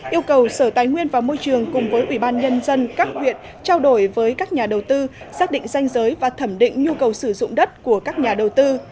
yêu cầu sở tài nguyên và môi trường cùng với ubnd các huyện trao đổi với các nhà đầu tư xác định danh giới và thẩm định nhu cầu sử dụng đất của các nhà đầu tư